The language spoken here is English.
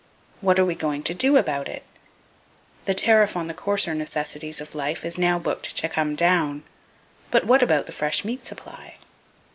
What are we going to do about it? The tariff on the coarser necessities of life is now booked to come down; but what about the fresh meat supply?